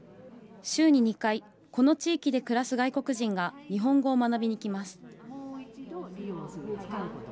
週に２回、この地域で暮らす外国人が日本語を学びに来ます。